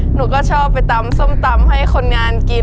หนูก็ชอบไปตำส้มตำให้คนงานกิน